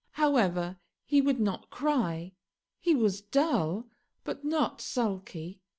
However, he would not cry: he was dull, but not sulky.